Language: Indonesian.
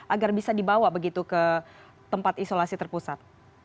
agar bisa dibawa begitu ke tempat isolasi terpusat